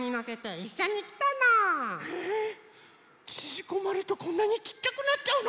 ちぢこまるとこんなにちっちゃくなっちゃうの？